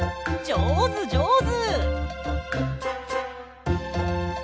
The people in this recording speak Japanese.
じょうずじょうず。